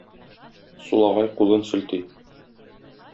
Сулагай кулын селти.